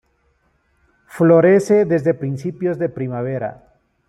Florece desde principios de primavera.